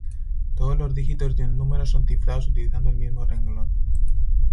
Todos los dígitos de un número son cifrados utilizando el mismo renglón.